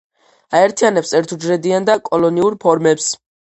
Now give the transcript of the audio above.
აერთიანებს ერთუჯრედიან და კოლონიურ ფორმებს.